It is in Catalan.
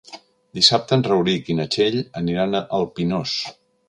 Dissabte en Rauric i na Txell aniran al Pinós.